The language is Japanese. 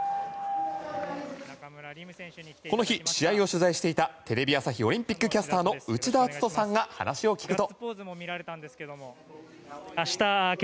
この日、試合を取材していたテレビ朝日オリンピックキャスターの内田篤人さんが話を聞くと。